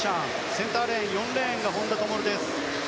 センターレーン４レーンが本多灯です。